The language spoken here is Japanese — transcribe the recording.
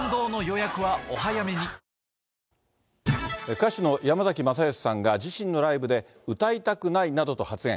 歌手の山崎まさよしさんが、自身のライブで歌いたくないなどと発言。